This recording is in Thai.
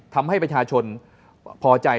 ทำให้ประชาชนพอใจ